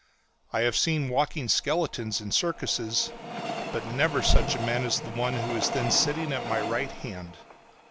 I have seen "walking skeletons" in circuses, but never such a man as the one who was then sitting at my right hand.